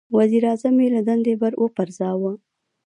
• وزیر اعظم یې له دندې وپرځاوه.